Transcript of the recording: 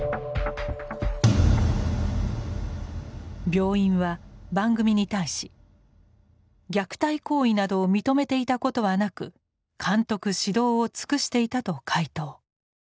病院は番組に対し「虐待行為などを認めていたことはなく監督指導を尽くしていた」と回答。